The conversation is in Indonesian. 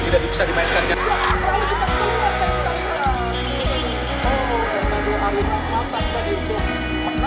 dan banyak orang